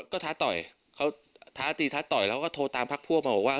ก็ท้าต่อยเขาท้าตีท้าต่อยแล้วก็โทรตามพักพวกมาบอกว่า